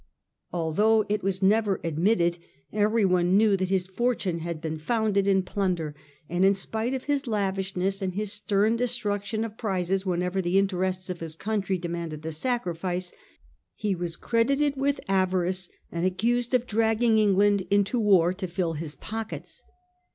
Although it was never admitted, every one knew that his fortune had been founded in plunder ; and in spite of his lavishness and his stem destruction^ of prizes when ever the interests of his country demanded the sacrifice, he was credited with avarice, and accused of dragging England into war to fill his pockets.